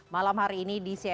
malam hari ini di cis